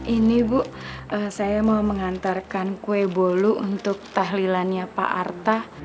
ini bu saya mau mengantarkan kue bolu untuk tahlilannya pak arta